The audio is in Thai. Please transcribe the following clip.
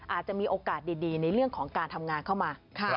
อาจจะมีโอกาสดีในเรื่องของการทำงานเข้ามา